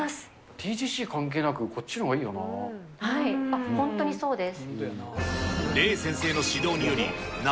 ＴＧＣ関係なくこっちのほう本当にそうです。